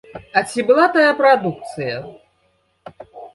А ці была тая прадукцыя?